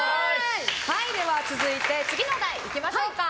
では続いて次のお題いきましょうか。